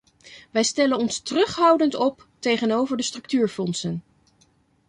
Wij stellen ons terughoudend op tegenover de structuurfondsen.